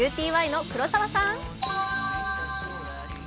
ＵＴＹの黒澤さん。